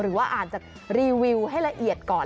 หรือว่าอ่านจากรีวิวให้ละเอียดก่อน